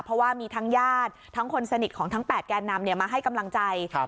เพราะว่ามีทั้งญาติทั้งคนสนิทของทั้ง๘แกนนำมาให้กำลังใจ